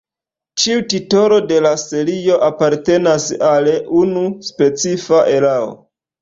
Ĉiu titolo de la serio apartenas al unu specifa erao.